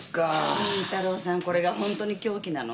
新太郎さんこれが本当に凶器なの？